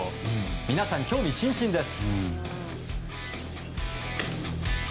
皆さん興味津々です。